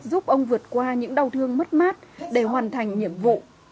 giúp ông vượt qua những đau thương mất mát để hoàn thành nhiệm vụ